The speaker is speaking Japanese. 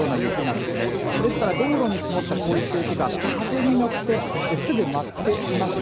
ですから道路に積もったこういった雪が風に乗ってすぐ舞っていました。